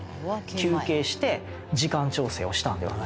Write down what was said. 休憩して時間調整をしたのではないかと。